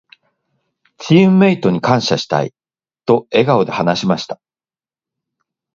「チームメイトに感謝したい」と笑顔で話しました。